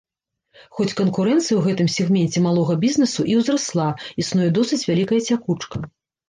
Хоць канкурэнцыя ў гэтым сегменце малога бізнесу і ўзрасла, існуе досыць вялікая цякучка.